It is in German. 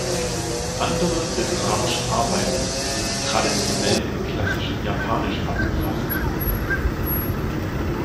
Andere literarische Arbeiten wurden traditionell in klassischem Japanisch abgefasst.